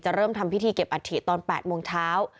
เริ่มทำพิธีเก็บอัฐิตอน๘โมงเช้า